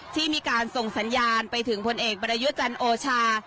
ที่มีการส่งสัญญาณไปถึงพลเอกประยุจันทร์โอชา